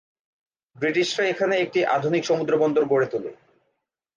ব্রিটিশরা এখানে একটি আধুনিক সমুদ্র বন্দর গড়ে তোলে।